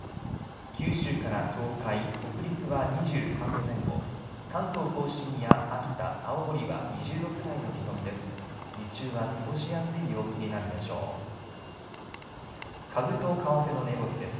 九州から東海、北陸は２３度前後、関東甲信や秋田、青森は２０度くらいの見込みです。